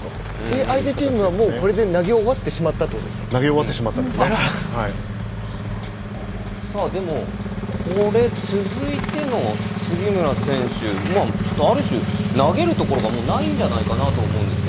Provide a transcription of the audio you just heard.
相手チームはこれで投げ終わってしまった投げ終わってこれ続いても杉村選手ある種、投げるところがもうないんじゃないかなと思うんですが。